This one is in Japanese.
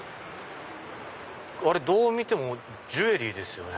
どう見てもジュエリーですよね。